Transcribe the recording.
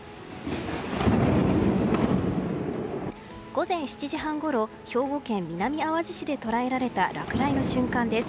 午前７時半ごろ兵庫県南あわじ市で捉えられた落雷の瞬間です。